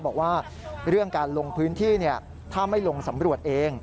บอกว่าเรื่องการลงพื้นที่ถ้าไม่ลงสำรวจเอง